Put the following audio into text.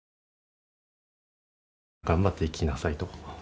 頑張って行きなさいと。